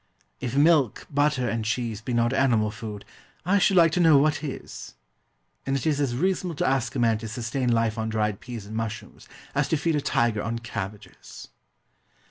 If milk, butter, and cheese be not animal food I should like to know what is? And it is as reasonable to ask a man to sustain life on dried peas and mushrooms as to feed a tiger on cabbages.